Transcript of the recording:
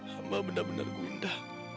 hamba benar benar guinda